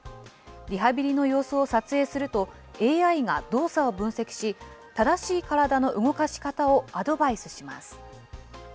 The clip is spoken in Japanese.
リハビリの様子を撮影すると、ＡＩが動作を分析し、正しい体の動かし方をアドバイスします。